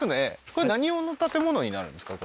これ何用の建物になるんですか？